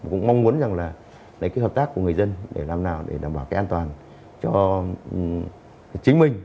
cũng mong muốn là lấy hợp tác của người dân để làm nào để đảm bảo an toàn cho chính mình